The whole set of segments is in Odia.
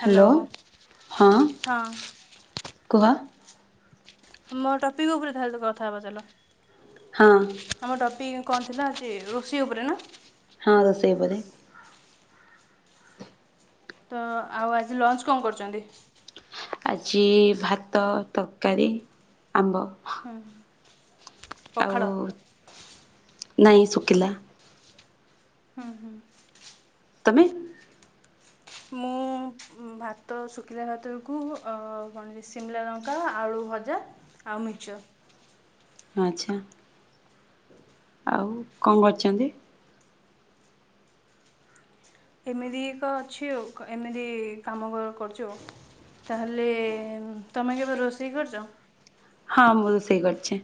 ହ୍ୟାଲୋ ହଁ ଆମ କୁହ। ମୋ ଟପିକ୍ ଉପରେ ତାହେଲେ ତ କଥା ହବା ଚାଲ। ହଁ। ଆମ ଟପିକ୍ କଣ ଥିଲା ଆଜି ରୋଷେଇ ଉପରେ ନା। ହଁ ରୋଷେଇ ଉପରେ। ତ ଆଉ ଆଜି ଲଞ୍ଚ କଣ କରୁଚନ୍ତି? ଆଜି ଭାତ, ତରକାରୀ, ଆମ୍ବ। ଉଁ ହୁଁ। ଆଉ ପଖାଳ। ନାଇଁ ଶୁକିଲା। ହୁଁ ହୁଁ। ତମେ? ମୁଁ ଭାତ ଶୁଖିଲା ଭାତକୁ ଅ କଣ କି ଶିମିଲା ଲଙ୍କ୍ ଙ୍କା ଆଳୁ ଭଜା ଆଉ ମିର୍ଚ। ଆଚ୍ଛା। ଆଉ କଣ କରଛନ୍ତି? ଏମିତି ଏକ ଅଛି ଆଉ କ ଏମିତି କାମ କର କରୁଛି ଆଉ। ତାହେଲେ ତମେ କେବେ ରୋଷେଇ କରିଛ? ହଁ ମୁଁ ରୋଷେଇ କରିଛି।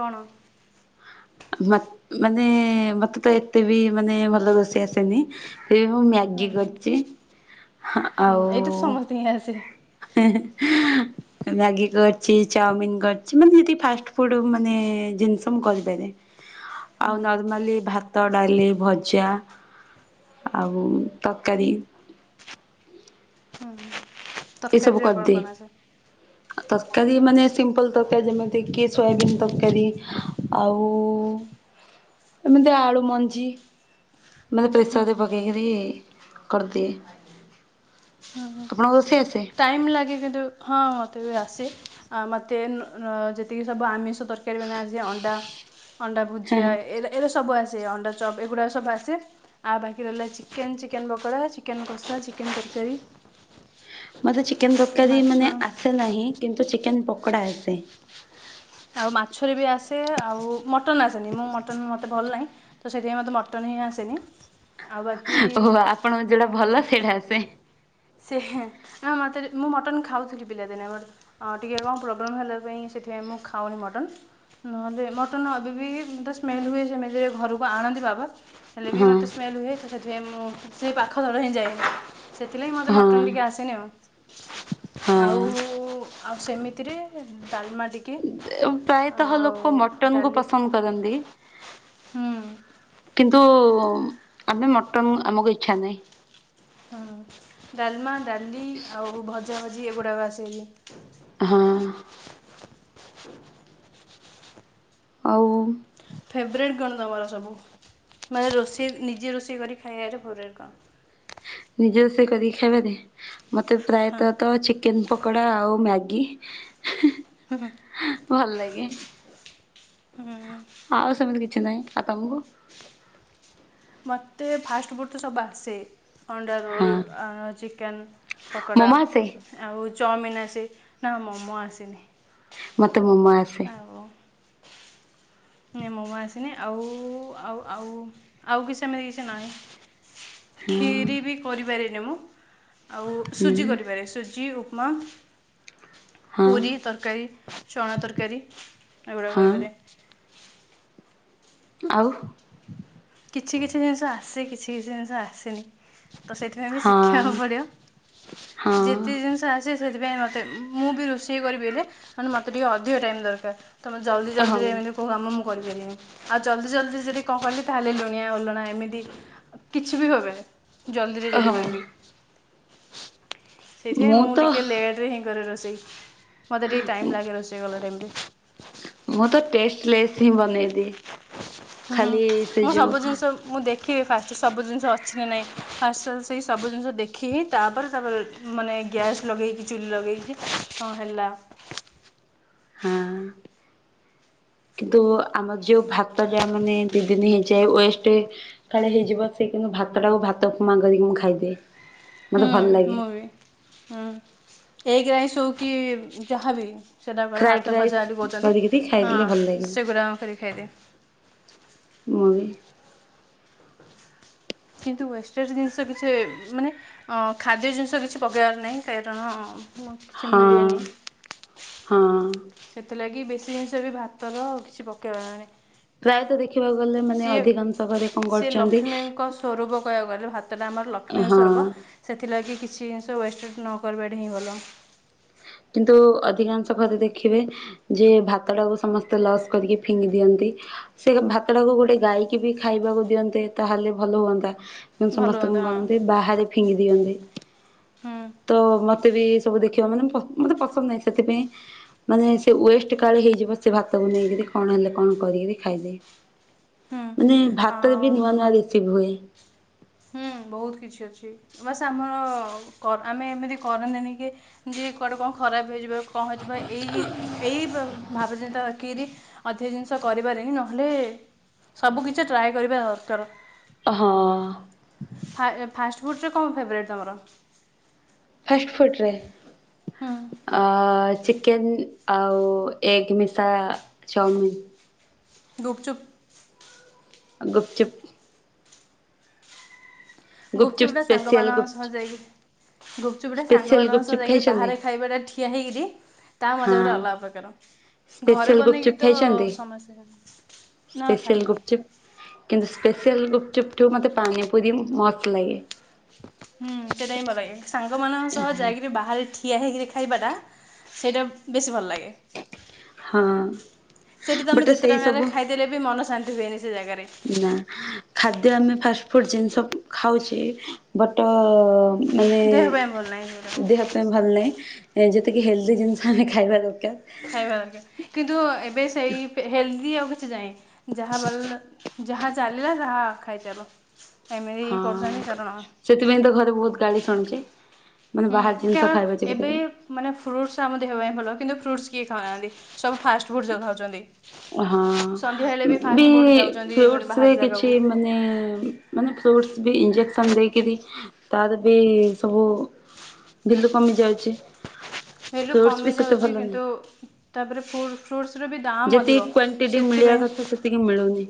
କଣ? ମାତ୍ ମାନେ ମତେ ତ ଏତେ ବି ମାନେ ଭଲ ରୋଷେଇ ଆସେନି। ଏ ମୁଁ ମ୍ୟାଗି କରଛି। ଆଉ [unintelligible] ସେହି। ହେ ହେ। ମ୍ୟାଗି କରିଛି। ଚାଉମିିନ କରିଛି। ମାନେ ଏଇଠି ଫାଷ୍ଟ ଫୁଡ ମାନେ ଜିନିଷ ମୁଁ କରିପାରେ। ହୁଁ ଆଉ ନର୍ମାଲି ଭାତ୍ ତ, ଡାଲି, ଭଜା ଆଉ ତରକାରୀ ଏସବୁ ତରକାରୀରେ କଣ କରଦିଏ। କଣ ଆସେ? ତରକାରୀ ମାନେ ସିମ୍ପଲ୍ ତରକାରୀ ଯେମିତିକି ସୋୟାବିିନ ତରକାରୀ। ଆଉ ଏମିତି ଆଳୁ ମଞ୍ଜି ମାନେ ପ୍ରେସରରେ ହୁଁ ପକେଇକିରି କରଦିଏ। ହଁ ହଁ ଆପଣଙ୍କୁ ରୋଷେଇ ଆସେ? ଟାଇମ୍ ଲାଗେ କିନ୍ତୁ ହଁ ହଁ ମୋତେ ବି ଆସେ। ଅ ମତେ ଯେତିକି ସବୁ ଆମିଷ ତରକାରୀ ମାନେ ଆସେ ଅଣ୍ଡା ଅଣ୍ଡା ହଁ ହଁ ଭୁଜିଆ ଏଇଟା ଏଇଟା ସବୁ ଆସେ। ଅଣ୍ଡା ଚପ୍ ଏଗୁଡାକ ସବୁ ଆସେ। ଆଉ ବାକି ରହିଲା ଚିକେନ୍, ଚିକେନ୍ ପକୋଡ଼ା, ଚିକେନ୍ କଷା, ଚିକେନ ତରକାରୀ। ମୋତେ ଚିକେନ ତରକାରୀ ମାନେ ମାଛ ଆସେ ନାହିଁ, କିନ୍ତୁ ଚିକେନ ପକୋଡ଼ା ଆସେ। ଆଉ ମାଛରେ ବି ଆସେ। ଆଉ ମଟନ୍ ଆସେନି ମୁଁ ମଟନ୍ ମୋତେ ଭଲ ନାହିଁ। ତ ସେଥିପାଇଁ ମତେ ମଟନ୍ ହିଁ ଆସେ ନି। ଓ ହୋ ହୋ ଆପଣଙ୍କ ଯୋଉଟା ଭଲ ଏମିତି ସେଇଟା ଆସେ। ସେ ହେ ନା ମତେ ଯେ ମୁଁ ମଟନ୍ ଖାଉଥିଲି ପିଲାଦିନେ ଆମର। ଅ ଟିକେ କଣ ପ୍ରୋବ୍ଲେମ ହେଲା ପାଇଁ ସେଥିପାଇଁ ମୁଁ ଖା୍ ଖାଉନି ମଟନ୍ ନହେଲେ ମଟନ୍ ଏବେ ବି ମତେ ସ୍ମେଲ୍ ହୁଏ ସେମିତିରେ ଘରକୁ ଆଣନ୍ତି ବାବା ହେଲେ ବି ହଁ ମତେ ସ୍ମେଲ ହୁଏ ତ ସେଥିପାଇଁ ମୁଁ ସେଇ ପାଖ ଘର ହିଁ ଯାଏନି। ସେଥିଲାଗି ମୋତେ ହଁ। ମଟନ୍ ଟିକେ ଆସିନି ଆଉ। ହଁ ଆଉ ଆଉ ସେମିତିରେ ଡାଲମା ଟିକେ ପ୍ରାୟତଃ ଆଉ ଲୋକ ମଟନକୁ ଡାଲି ପସନ୍ଦ କରନ୍ତି ହୁଁ କିନ୍ତୁ ଆମେ ମଟନ୍ ଆମକୁ ଇଚ୍ଛା ନାହିଁ। ହଁ ଡାଲମା ଡାଲି ଆଉ ଭଜା ଭଜି ଏଗୁଡ଼ାକ ଆସେ ବି। ହଁ। ଆଉ ଫେବରେଟ୍ କଣ ତମର ସବୁ? ମାନେ ରୋଷେଇ ନିଜେ ରୋଷେଇ କରି ଖାଇବାରେ ଫେବରେଟ୍ କଣ? ନିଜେ ରୋଷେଇ କରି ଖାଇବାରେ ମତେ ହଁ ପ୍ରାୟତଃ ତ ଚିକ୍ କେନ୍ ପକୋଡ଼ା ଆଉ ମ୍ୟାଗି ହେ ହୁଁ ହେ ଭଲ ଲାଗେ। ହୁଁ ଆଉ ସେମିତି କିଛି ନାହିଁ। ଆଉ ତମକୁ? ମୋତେ ଫାଷ୍ଟ ଫୁଡ଼ ତ ସବୁ ବାସେ। ଅଣ୍ଡା ହଁ ରୋଲ, ଆ ଚିକେନ ପକୋଡ଼ା, ମୋମୋ ଆସେ ଆଉ ଚାଉମିିନ ଆସେ। ନା ମୋମୋ ଆସେନି। ମତେ ମୋମୋ ଆସ୍ ହଉ। ନ ମୋମୋ ଆସିନି ଆଉ ଆଉ ଆଉ ଆଉ କିଛି ସେମିତି କିଛି ନାହିଁ। ହଁ ଖିରୀ ବି କରିପାରିନି ମୁଁ। ଆଉ ହୁଁ ସୁଜି କରିପାରେ ସୁଜି ଉପମା ହଁ ପୁରୀ ତରକାରୀ ଚଣା ତରକାରୀ ଏଗୁଡ଼ା ହଁ କରିପାରେ। ଆଉ। କିଛି କିଛି ଜିନିଷ ଆସେ କିଛି କିଛି ଜିନିଷ ଆସେନି ତ ସେଥି ଯା ହେଲେ ହଁ ଶିଖିବାକୁ ପଡିବ ହଁ ଯେତେ ଜିନିଷ ଆସେ। ସେଥିପାଇଁ ମତେ ମୁଁ ବି ରୋଷେଇ କରିବି ହେଲେ ମାନେ ମତେ ଟିକେ ଅଧିକ ଟାଇମ ଦରକାର। ତମେ ଜଲଦି ଜଲଦି ହଁ ରେ ଏମିତି କଉ କାମ ମୁଁ କରିପାରିବିନି ଆଉ ଜଲ୍ଦି ଜଲଦି ଯଦି କଣ କହିଲେ ତାହେଲେ ଲୁଣିଆ ଅଲଣା ଏମିତି କିଛି ବି ହେବନି ଜଲଦିରେ ଯଦି ହଁ କରିବି। ସେଇଥିପାଇଁ ମୁଁ ଟିକେ ଲେଟ ରେ ହିଁ କରେ ରୋଷେଇ ମତେ ଟିକେ ଟାଇମ ଲାଗେ ରୋଷେଇ କଲା ଟାଇମ୍ ରେ। ମୁଁ ତ ଟେଷ୍ଟ୍ ଲେସ୍ ହିଁ ବନେଇଦିଏ ହୁଁ ହୁଁ ଖାଲି ସେ ମୁଁ ସବୁ ଯୋଉ ଜିନିଷ ମୁଁ ଦେଖିବି ଫାଷ୍ଟ ସବୁ ଜିନିଷ ଅଛି ନା ନାହିଁ ଫାଷ୍ଟ ସେଇ ସବୁ ଜିନିଷ ଦେଖି ହିଁ ତାପରେ ତାପରେ ମାନେ ଗ୍ୟାସ୍ ଲଗେଇକି ଚୁଲି ଲଗେଇକି ହଁ ହେଲା। ହଁ। କିନ୍ତୁ ଆମର ଯୋଉ ଭାତଟା ମାନେ ଦି ଦିନ ହେଇଯାଏ ୱେଷ୍ଟ। କାଳେ ହେଇଯିବ ସେ କିନ୍ତୁ ଭାତ ଟାକୁ ଭାତ ଉପମା କରିକି ମୁଁ ଖାଇଦିଏ ମତେ ଭଲ ଲାଗେ। ହଁ ଏଗ ରାଇସ୍ ହେଉ କି ଯାହାବି। ସେଇଟା ବରା ଫ୍ରାଏଡ୍ ଭାତ ରାଇସ୍ ଭଜା ବୋଲି କହୁଛନ୍ତି କରିକିରି ଖାଇଦେଲେ ଭଲ ହଁ ଲାଗିବ ସେଗୁଡ଼ାକ କରିକିଖାଇଦିଏ। ମୁଁ ବି। କିନ୍ତୁ ୱେଷ୍ଟଜ୍ ଜିନିଷ କିଛି ମାନେ ଅ ଖାଦ୍ୟ ଜିନିଷ କିଛି ପକେଇବାର ନାହିଁ କାରଣ ମୁ କିଛି ହଁ ମିଳେନି। ହଁ। ସେଥିଲାଗି ବେଶୀ ଜିନିଷ ବି ଭାତର କିଛି ପକାଇବାର ନାହି। ପ୍ରାୟତଃ ଦେଖିବାକୁ ଗଲେ ମାନେ ସିଏ ଅଧିକାଂଶ ଘରେ କଣ ସିଏ କରୁଛନ୍ତି ଲକ୍ଷ୍ମୀଙ୍କ ସ୍ୱରୂପ କହିବାକୁ ଗଲେ ଭାତ। ସେତେଟା ଆମର ଲକ୍ଷ୍ମୀ ଙ୍କ ହଁ ସୁରୁପ ସେଥିଲାଗି କିଛି ଜିନିଷ ୱେଷ୍ଟେ ନ କରିବାରିବା ଟା ହିଁ ଭଲ। କିନ୍ତୁ ଅଧିକାଂଶ ଘରେ ଦେଖିବେ। ଯେ ଭାତ ଟାକୁ ସମସ୍ତେ ଲସ୍ କରିକି ଫିଙ୍ଗି ଦିଅନ୍ତି। ସେ ଭାତ ଟାକୁୁ ଗୋଟେ ଗାଇକି ବି ଖାଇବାକୁ ଦିଅନ୍ତେ ତାହେଲେ ଭଲ ହୁଅନ୍ତା। ଭଲ ସମସ୍ତ କଣ କଥା ହଁ କରନ୍ତି ବାହାରେ ଫିଙ୍ଗି ଦିଅନ୍ତି। ହୁଁ ତ ମତେ ମତେ ବି ସବୁ ଦେଖିବା ମାନେ ମତେ ପସନ୍ଦ ନାହିଁ ସେଥିପାଇଁ ମାନେ ସେ ୱେଷ୍ଟ କାଳେ ହେଇଯିବ ସେ ଭାତକୁ ନେଇକରି କଣ ହେଲେ କଣ କରିକରି ଖାଇଦିଏ। ହୁଁ ମାନେ ଭାତରେ ବି ଆଉ ନୂଆ ନୂଆ ରିସିଭ ହୁଏ। ହୁଁ ବହୁତ କିଛି ଅଛି ବାସ ଆମର କ ଆମେ ଏମିତି କରନ୍ତିନି କି ଯେ କୁଆଡେ କଣ ଖରାପ ହେଇଯିବ କଣ ହେଇଯିବ ଏଇ ଏଇ ଭା ଭାବରେ ଯେମି କିରି ଅଧିକ ଜିନିଷ କରିପାରେନି ନହେଲେ ସବୁ କିଛି ଟ୍ରାଏ କରିବା ଦରକାର। ହଁ। ଫା ଫାଷ୍ଟଫୁଡ଼ ରେ କଣ ଫେବ୍ରେଟ୍ ତମର? ଫାଷ୍ଟଫୁଡ୍ ରେ ହୁଁ ଆ -ଚି କେନ୍ ଆଉ ଏଗ ମିଶା ଚାଅମିନ। ଗୁପ୍ ଚୁପ୍। ଆଉ ଗୁପ୍ ଚୁପ୍। ଗୁପ୍ ଗୁପଚୁପ୍ ଚୁପ୍ ସ୍ପେସିଆଲ ସାଙ୍ଗମାନଙ୍କ ସହ ଗୁପଚୁପ୍ ଜାଇକି। ଗୁପଚୁପଟା ସ୍ପେସିଆଲ ସାଙ୍ଗମାନଙ୍କ ସହ ଗୁପଚୁପ୍ ଯାଇକିରି ଖାଇଛନ୍ତି? ବାହାରେ ଖାଇବାଟା ଠିଆ ହେଇକରି ତା ମଜା ଗୋଟେ ହଁ ଅଲଗା ପ୍ରକାର। ଘରେ ସ୍ପେସିଆଲ ବନେଇକି ଗୁପଚୁପ୍ ତ ଖାଇଛନ୍ତି? ସମୟ [unintelligible] ସ୍ପେସିଆଲ ଗୁପଚୁପ୍। କିନ୍ତୁ ସ୍ପେଶଲ ଗୁପଚୁପ୍ ଠାରୁ ମତେ ପାନିପୁରି ମସ୍ତ ଲାଗେ। ହୁଁ ସେଇଟା ହିଁ ଭଲ ଲାଗେ ସାଙ୍ଗମାନଙ୍କ ସହ ଯାଇକିରି ବାହାରେ ଠି ଠିଆ ହେଇକିରି ଖାଇବାଟା ସେଇଟା ବେଶି ଭଲ ଲାଗେ। ହଁ ସେଇଠି ତମେ ବଟ ଯେତେ ସେଇ ଟଙ୍କା ରେ ସବୁ ଖାଇ ଦେଲେ ବି ମନ ଶାନ୍ତି ହୁଏନି ସେ ଜାଗାରେ। ନା ଖାଦ୍ୟ ଆମେ ଫାଷ୍ଟଫୁଡ଼ ଜିନିଷ ଖାଉଚେ ବଟ ମାନେ ଦେହ ପାଇଁ ଭଲ ନାହିଁ ସେଗୁଡ଼ାକ। ଦେହ ପାଇଁ ଭଲ ନାହିଁ। ଏ ଯେତିକି ହେଲ୍ଦି ଜିନିଷ ଆମେ ଖାଇବା ଦରକାର କିନ୍ତୁ ଏବେ ସେଇ ହେଲ୍‌ ଦି ଆଉ କିଛି ନାହିଁ ଯାହା ବଲ ଯାହା ଚାଲିଲା ତାହା ଖାଇଚାଲ। ଏମିତି ହଁ କରୁଛନ୍ତି କାରଣ ସେଥିପାଇଁ ତ ଘରେ ବହୁତ ଗାଳି ଶୁଣୁଚି। ମାନେ ହୁଁ ବାହାର ଜିନିଷ କାରଣ ଖାଇବା ଏବେ [unintelligible] ମାନେ ଫ୍ରୁଟ୍ସ୍ ଆମ ଦେହ ପାଇଁ ଭଲ କିନ୍ତୁ ଫ୍ରୁଟ୍ସ୍ କିଏ ଖାଉନାହାନ୍ତି ସବୁ ଫାଷ୍ଟଫୁଡ଼୍ ଯଉ ଖାଉଚନ୍ତି। ହଁ ବି ଫୁଡ଼୍ ଯାଉଛନ୍ତି ମାନେ ଫୁଟ୍ସ୍ ବାହାର ରେ କିଛି ଜାଗାକୁ ମାନେ ମାନେ ଫ୍ରୁଟ୍‌ସ୍ ବି ଇଞଜେକ୍ସନ ଦେଇକିରି ତାର ବି ସବୁ ବିଲୁ କମି ଯାଉଚି। ହେଲୁ କମି ଯାଉଚି କିନ୍ତୁ ତାପରେ ଫ୍ରୁଟ୍ ଫ୍ରୁଟସ୍‌ ର ବି ଦାମ୍ ଅଧିକ ଯେତିକି କ୍ଵାଣ୍ଟିଟି ମିଳିବା କଥା ସେତିକି ମିଳୁନି।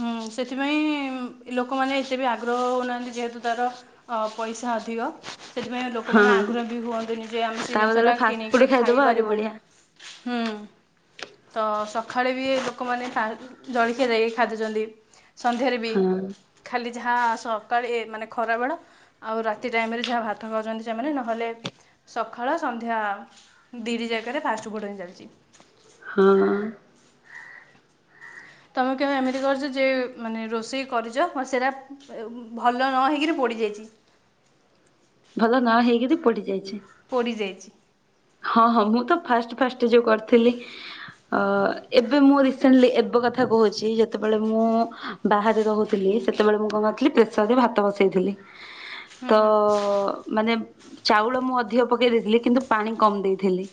ଉଁ ସେଥିପାଇଁ ଲୋକମାନେ ଏତେ ବି ଆଗ୍ରହ ହେଉନାହାଁନ୍ତି ଯେହେତୁ ତା ର ଅ ପଇସା ଅଧିକ ସେଥିପାଇଁ ହଁ ଲୋକମାନେ ଆଗ୍ରହ ବି ହୁଅନ୍ତିନି ଯେ ଆମେ ସେ ତା ଜିନିଷ ବଦଳରେ ଟା ଫାଷ୍ଟଫୁଡ୍ କିଣିକିରି ଖାଇଦବ ଆହୁରି ଖାଇପାରିବୁ। ବଢିଆ। ହୁଁ ତ ସଖାଳେ ବି ଲୋକମାନେ ଖାଆ ଜଳଖିଆ ଦେଇ ଖାଦୁଚନ୍ତି ସନ୍ଧ୍ୟାରେ ବି ହଁ ଖାଲି ଯାହା ସକାଳେ ଏ ମାନେ ଖରାବେେଳ ଆଉ ରାତି ଟାଇମରେ ଯାହା ଭାତ ଖାଉଚନ୍ତି ସେମାନେ ନହେଲେ ସଖାଳ ସନ୍ଧ୍ୟା ଦିଇଟି ଯାଗାରେ ଫାଷ୍ଟ ଫୁଡ଼୍ ହିଁ ଚାଲିଚି। ହୁଁ। ତମେ କେବେ ଏମିତି କରିଚ ଯେ ମାନେ ରୋଷେଇ କରିଚ ମ ସେରା ଭଲ ନ ହେଇକିରି ପୋଡ଼ିଯାଇଚି। ଭଲ ନ ହେଇକିରି ପଡିଯାଇଛି। ପୋଡ଼ିଯାଇଚି। ହଁ ହଁ ମୁଁ ତ ଫାଷ୍ଟ ଫାଷ୍ଟ ଯୋଉ କରିଥିଲି ଅ ଏବେ ମୁଁ ରିସେଣ୍ଟଲି ଏବେ କଥା କହୁଚି ଯେତେବେଳେ ମୁଁ ବାହାରେ ରହୁଥିଲି ସେତେବେଳେ ମୁଁ କ ଣ କରିଥିଲି ପ୍ରେସରରେ ଭାତ ବସେଇଥିଲି। ହୁଁ ତ ହୁଁ ମାନେ ଚାଉଳ ମୁଁ ଅଧିକ ପକେଇ ଦେଇଥିଲି କିନ୍ତୁ ପାଣି କମ୍ ଦେଇଥିଲି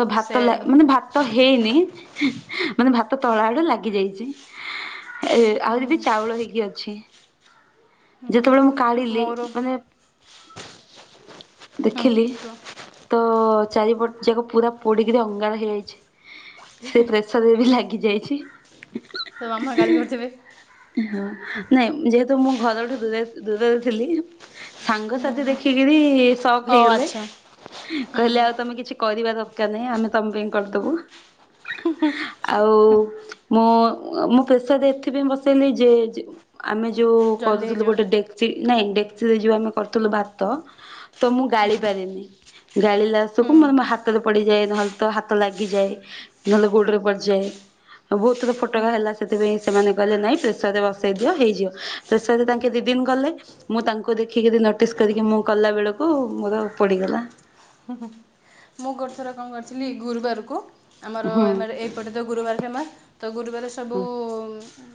ତ ସେ ଭାତ ଲା ହୁଁ ମାନେ ଭା ତ ହେଇନି ମାନେ ଭାତ ତଳ ଆଡେ ଲାଗି ଯାଇଚି। ଏ ଆହୁରି ବି ଚାଉଳ ହେଇକି ଅଛି। ଯେତେବେଳେ ମୁଁ ହୁଁ କାଢ଼ିଲି ମୋର ମାନେ ହୁଁ ଦେଖିଲି କୁହ ତ ଚାରିପଟ ଯାକ ପୁରା ପୋଡିକିରି ଅଙ୍ଗାର ହେଇଯାଇଛି ସେ ପ୍ରେ ସର୍ ରେ ବି ଲାଗି ଯାଇଚି। ତୋ ମାମା ଗାଳି କରିଥିବେ ହଁ ନାଇଁ ଯେହେତୁ ମୁଁ ଘରଠୁ ଦୂରରେ ଦୂରରେ ଥିଲି ହୁଁ ସାଙ୍ଗସାଥି ଦେଖିକରି ଶକ୍ ହଉ ହେଇଗଲେ। ଆଚ୍ଛା ହୁଁ କହିଲେ ହୁଁ ଆଉ ତମେ କିଛି କରିବା ଦ କାର୍ ନାହିଁ ଆମେ ତମ ପାଇଁ କରିଦବୁ ଆଉ ମୁଁ ମୁଁ ପ୍ରେସରରେ ଏଥିପାଇଁ ବସେଇଲି ଯେ ଯେ ଆମେ ଯୋଉ କରୁ ଜଲ୍ଦି ହେଇଯିବ ଡେକ୍ଚି ନାଇଁ ଡ଼େକ୍ଟିରେ ଯୋଉ ଆମେ କରୁଥୁଲୁ ଭାତ ତ ମୁଁ ଗାଳି ପାରିନି। ହୁଁ ଗାଳିଲାଆସକୁ ମୋର ମୋ ହାତରେ ପଡ଼ିଯାଏ ନହେଲେ ତ ହାତ ଲାଗିଯାଏ। ନଲେ ଗୋଡ଼ରେ ପଡ଼ିଚାଏ? ବହୁତ ଥର ଫୋଟକା ହୁଁ ହେଲା ସେଥିପାଇଁ ସେମାନେ କହିଲେ ନାଇଁ ପ୍ରେସର ରେ ବସେଇ ଦିଅ ହେଇଯିବ ତ ସରେ ତାଙ୍କେ ଦି ଦିନି ଗଲେ ମୁଁ ତାଙ୍କୁ ଦେଖିକିରି ନୋଟିସ କରିକି ମୁଁ କଲା ବେଳକୁ ମୋର ପଡିଗଲା। ମୁଁ ଗୋଟଥର କ ଣ କରିଥିଲି ଗୁରୁବାରକୁ ଆମର ହୁଁ। ଏ ମାରେ ଏକ୍ ଏପଟେ ତ ଗୁରୁବାର ଫେମସ୍। ତ ଗୁରୁବାରେ ସବୁ ହଁ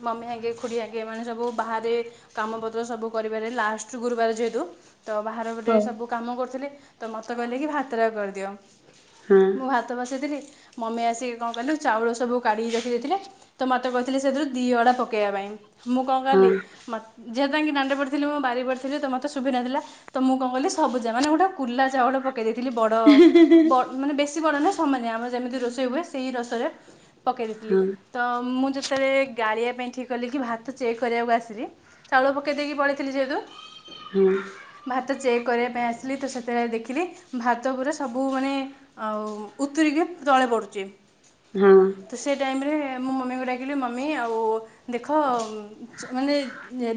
ମମି ହାଙ୍କେ ଖୁଡ଼ି ହାଙ୍କେ, ଏମାନେ ସବୁ ବାହାରେ କାମ ପତ୍ର ସବୁ କରିବାରେ, ଲାଷ୍ଟ ଗୁରୁବାର ଯେହେତୁ ତ ବାହାରକୁ ଗୋଟେ ସବୁ କାମ କରୁଥିଲି, ତ ମୋତେ କହିଲେ କି ଭାତଟା କରିଦିଅ। ହଁ ମୁଁ ଭାତ ଭାତ ବସେଇଥିଲି, ମମି ଆସିକି କଣ କହିଲୁ ଚାଉଳ ସବୁ କାଢ଼ିକି ରଖିଦେଇଥିଲେ ତ ମତେ କହିଥିଲେ ସେଥିରୁ ଦି ଅଡା ପକେଇବା ପାଇଁ, ମୁଁ କଣ ହଁ କଲି ଯେହେତୁ ତାଙ୍କି ଦାଣ୍ଡ ପଟେ ଥିଲି, ମୁଁ ବାରି ପଟେ ଥିଲି ତ ମୋତେ ଶୁଭିନଥିଲା ତ ମୁଁ କଣ କଲି ସବୁଜା ମାନେ ଗୋଟେ କୁଲା ଚାଉଳ ପକେଇ ଦେଇଥିଲି ବଡ ବ ମାନେ ବେଶୀ ବଡ ନୁହେଁ ସମାନିଆ। ଆମର ଯେମିତି ରୋଷେଇ ହୁଏ ସେଇ ରୋଷରେ ପକେଇ ଦେଇଥିଲି। ହଁ। ତ ମୁଁ ଯେତେବେଳେ ଗାଳିଆ ପାଇଁ ଠିକ କଲି କି ଭାତ ଚେକ୍ କରିବାକୁ ଆସିଲି ଚାଉଳ ପକେଇ ଦେଇକି ପଳେଇଥିଲି ଯେହେତୁ ହୁଁ। ଭାତ ଚେକ୍ କରିବା ପାଇଁ ଆସିଲି, ତ ସେତେବେଳେ ଦେଖିଲି ଭାତ ଉପରେ ସବୁ ମାନେ ଆଉ ଉତୁରିକି ତଳେ ପଡ଼ୁଛି। ହଁ। ତ ସେ ଟାଇମରେ, ମୁଁ ମମିଙ୍କୁ ଡାକିଲି ମମି ଆଉ ଦେଖ ମାନେ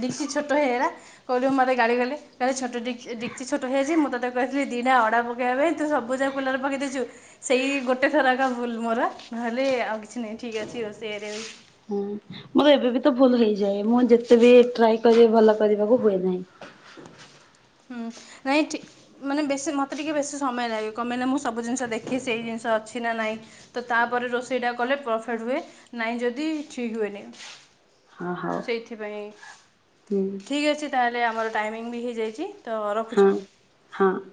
ଡେକ୍ଚି ଛୋଟ ହେଇଗରା, ସୋଉଟୁ ମୋତେ ଗାଳି କଲେ କହିଲି ଛୋଟ ଡେକ୍ ଡେକଚି ଛୋଟ ହେଇଯାଇଛି ମୁଁ ତତେ କହିଥିଲି ଦିଟା ଅଡ଼ା ପକାଇବା ପାଇଁ, ତୁ ସବୁଯାକ କୁଲାରୁ ପକେଇ ଦେଇଛୁ? ସେଇ ଗୋଟେ ଥରକା ଭୁଲ ମୋର, ନହେଲେ ଆଉ କିଛି ନାଇଁ ଠିକ ଅଛି ଆଉ ସେ ଏରିଆରେ ହୁଁ। ମୋର ଏବେ ବି ତ ଭୁଲ ହେଇଯାଏ, ମୁଁ ଯେତେ ବି ଟ୍ରାଏ କରିବି ଭଲ କରିବାକୁ ହୁଏ ନାହିଁ। ହୁଁ। ନାଇଁ ଠିକ୍। ମାନେ ବେଶୀ ମୋତେ ଟିକେ ବେଶୀ ସମୟ ଲାଗେ, କଣ ପାଇଁ ନା ମୁଁ ସବୁ ଜିନିଷ ଦେଖି, ସେଇ ଜିନିଷ ଅଛି ନା ନାହିଁ ତ ତାପରେ ରୋଷେଇଟା କଲେ ପରଫେଟ ହୁଏ, ନାଇଁ ଯଦି ଠିକ ହୁଏନି। ହଁ, ହଉ ସେଥିପାଇଁ ହୁଁ। ଠିକ୍ ଅଛି ତାହେଲେ ଆମର ଟାଇମିଙ୍ଗ ବି ହେଇଯାଇଛି, ତ ହଁ ରଖୁଛି? ହଁ